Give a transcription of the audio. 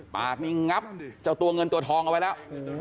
ปากนี้งับเจ้าตัวเงินตัวทองเอาไว้แล้ว